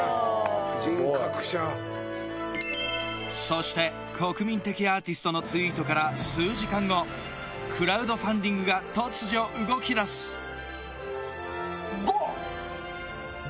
そして国民的アーティストのツイートから数時間後クラウドファンディングが突如動きだすごっ！